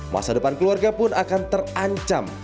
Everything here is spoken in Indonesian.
masa depan keluarga pun akan terancam